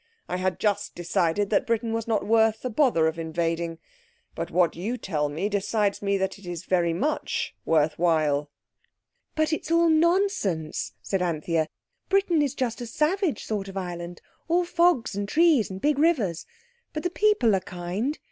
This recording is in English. I had just decided that Britain was not worth the bother of invading. But what you tell me decides me that it is very much worth while." "But it's all nonsense," said Anthea. "Britain is just a savage sort of island—all fogs and trees and big rivers. But the people are kind.